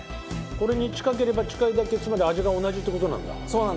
これに近ければ近いだけつまり味が同じって事なんだ。